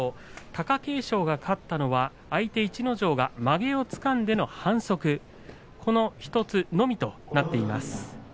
貴景勝が勝ったのは相手逸ノ城がまげをつかんでの反則その１つだけとなっています。